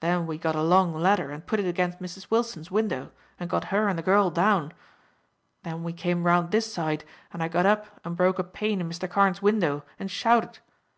Then we got a long ladder, and put it against Mrs. Wilson's window, and got her and the girl down. Then we came round this side, and I got up and broke a pane in Mr. Carne's window and shouted.